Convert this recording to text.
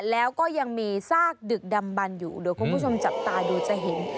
แล้วก็ยังมีซากดึกดำบันอยู่เดี๋ยวคุณผู้ชมจับตาดูจะเห็น